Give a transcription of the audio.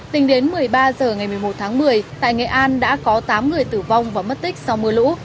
tính đến một mươi ba h ngày một mươi một tháng một mươi tại nghệ an đã có tám người tử vong và mất tích sau mưa lũ